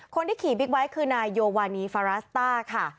คนที่ขี่บิ๊กไบท์คือนายโยวานีฟาราสต้าค่ะ